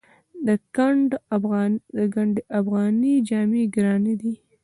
د ګنډ افغاني جامې ګرانې دي؟